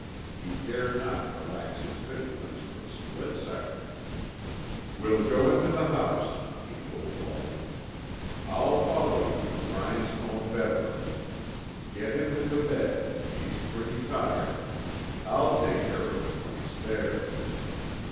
He dared not relax his vigilance for a split second. "We'll go into the house," he told Wallie. "I'll follow you to Bryant's own bedroom. Get him into bed; he's pretty tired. I'll take care of him when he's there."